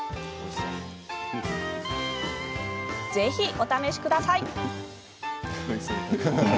ぜひお試しください。